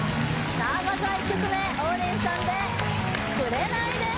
さあまずは１曲目王林さんで「紅」です・